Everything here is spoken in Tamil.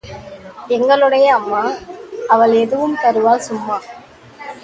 எங்களுடைய அம்மா—அவள் எதுவும் தருவாள் சும்மா.